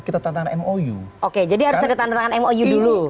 kita tantangan mou